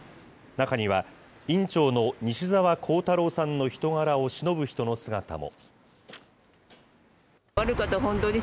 中には、院長の西澤弘太郎さんの人柄をしのぶ人の姿も。